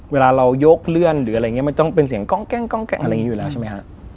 เวลาเรายกเลื่อนหรืออะไรอย่างเงี้ยมันต้องเป็นเสียงก้องแก๊งอยู่แล้วใช่มั้ยฮะ